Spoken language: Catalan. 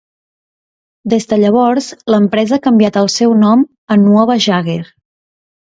Des de llavors, l'empresa ha canviat el seu nom a "Nuova Jager".